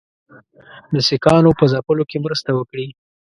د سیکهانو په ځپلو کې مرسته وکړي.